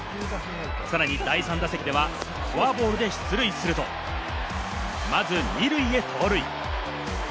さらに第３打席ではフォアボールで出塁すると、まず２塁へ盗塁。